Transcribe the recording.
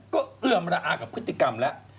ก็เอือมระอากับพฤติกรรมแล้ว